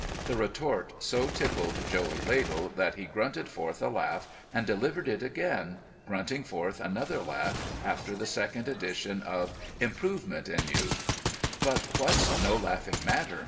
The retort so tickled Joey Ladle that he grunted forth a laugh and delivered it again, grunting forth another laugh after the second edition of ' improvement in you.' ' But what's no laughing matter.